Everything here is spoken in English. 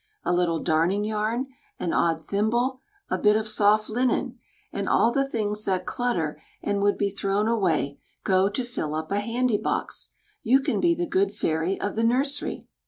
A little darning yarn, an odd thimble, a bit of soft linen, and all the things that clutter and would be thrown away, go to fill up a handy box. You can be the good fairy of the nursery."